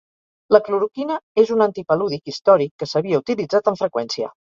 La cloroquina és un antipalúdic històric que s'havia utilitzat amb freqüència.